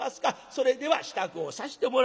それでは支度をさしてもらいます」。